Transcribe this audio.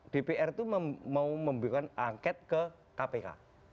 dpr itu mau memberikan angket ke kpk